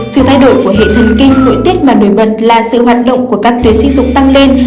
sự thay đổi của hệ thần kinh nội tiết mà đối mật là sự hoạt động của các tuyến sử dụng tăng lên